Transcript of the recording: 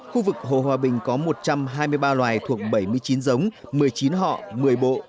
khu vực hồ hòa bình có một trăm hai mươi ba loài thuộc bảy mươi chín giống một mươi chín họ một mươi bộ